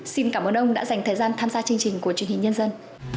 xin cảm ơn ông đã dành thời gian tham gia chương trình của truyền hình nhân dân